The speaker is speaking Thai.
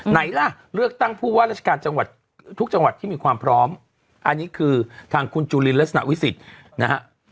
ไหนล่ะเลือกตั้งผู้ว่าราชการจังหวัดทุกจังหวัดที่มีความพร้อมอันนี้คือทางคุณจุลินลักษณะวิสิทธิ์นะฮะ